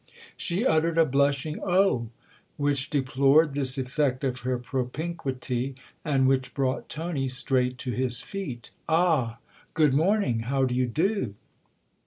She uttered a blushing "Oh!" which deplored this effect of her propinquity and which brought Tony straight to his feet. "Ah, good morning ! How d'ye do